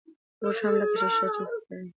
موږ هم لکه ښيښه، چې سوتره به يې کړو.